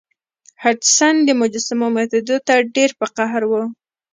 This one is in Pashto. هډسن د مجسمو ماتیدو ته ډیر په قهر و.